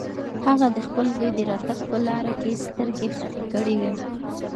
هغه د خپل زوی د راتګ په لاره کې سترګې خښې کړې وې.